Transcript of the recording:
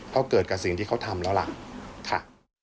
ก็เกิดกับสิ่งที่เขาทำแล้วล่ะค่ะ